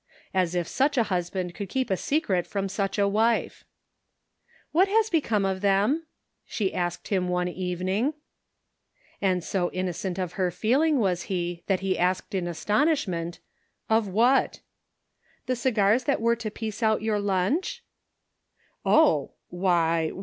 As if such a husband could keep a secret from such a wife !" What has become of them ?" she asked him one evening. And so innocent of her feeling was he, that he asked in astonishment: The Ends Meet. 329 "Of what?" "The cigars that were to piece out your lunch?" "Oh! Why?